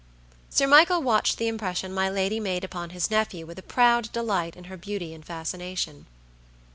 Sir Michael watched the impression my lady made upon his nephew with a proud delight in her beauty and fascination.